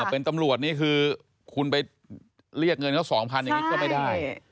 เป็นตำรวจนี่คือคุณไปเรียกเงินเขา๒๐๐อย่างนี้ก็ไม่ได้